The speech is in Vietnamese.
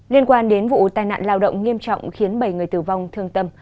liên quan đến vụ tai nạn lao động nghiêm trọng khiến bảy người tử vong thương tâm